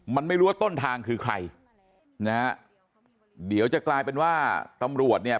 มันไม่รู้ว่าต้นทางคือใครนะฮะเดี๋ยวจะกลายเป็นว่าตำรวจเนี่ย